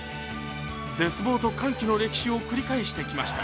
絶望と歓喜の歴史を繰り返してきました。